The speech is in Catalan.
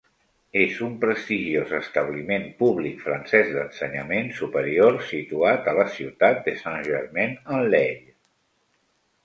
És un prestigiós establiment públic francès d'ensenyament superior situat a la ciutat de Saint-Germain-en-Laye.